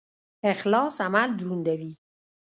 اخلاص عمل دروندوي